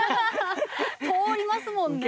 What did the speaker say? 通りますもんね。